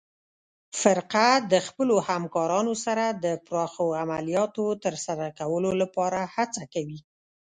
فرقه د خپلو همکارانو سره د پراخو عملیاتو ترسره کولو لپاره هڅه کوي.